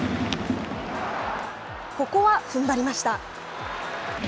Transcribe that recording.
ここはふんばりました。